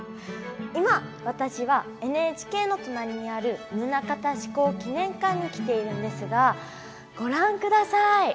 今私はＮＨＫの隣にある棟方志功記念館に来ているんですがご覧ください！